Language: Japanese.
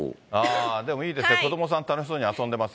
でもいいですね、子どもさん、楽しそうに遊んでいます。